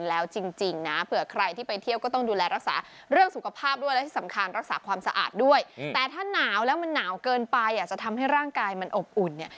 แล้วมันหนาวเกินไปอ่ะจะทำให้ร่างกายมันอบอุ่นเนี่ย